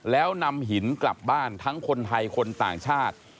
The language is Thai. แล้วนำหินกลับบ้านทั้งคนไทยคนต่างชาติ